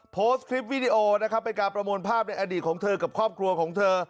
โพสต์คลิปวิดีโอนะครับเป็นการประมวลภาพในอดีตของเธอกับครอบครัวของเธอ